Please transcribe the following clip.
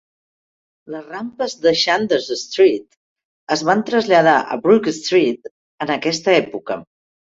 Les rampes de Chandos Street es van traslladar a Brook Street en aquesta època.